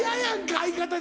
相方に。